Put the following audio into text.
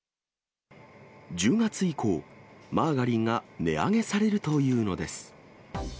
１０月以降、マーガリンが値上げされるというのです。